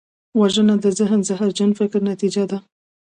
وژنه د ذهن زهرجن فکر نتیجه ده